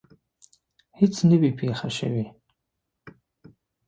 هیڅ نه وي پېښه شوې.